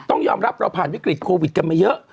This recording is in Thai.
ต้องยอมรับเราผ่านวิกฤตโควิดกันมาเยอะ